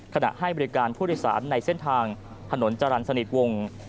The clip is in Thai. ขณะให้บริการผู้โดยสารในเส้นทางถนนจรรย์สนิทวงศ์